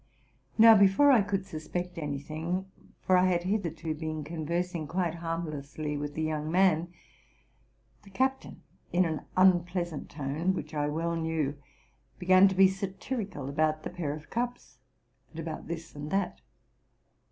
Now, before I could suspect any thing, — for I had hitherto been conversing quite harmlessly with the young man, — the captain, in an unpleasant tone, which I well knew, began to be satirical about the pair of cups, and about this and that.